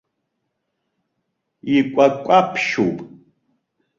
Икәакәаԥшьуп.